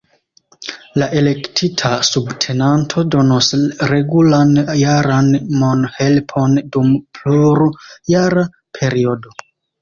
La elektita subtenanto donos regulan jaran mon-helpon dum plur-jara periodo.